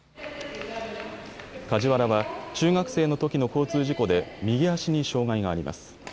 梶原は中学生のときの交通事故で右足に障害があります。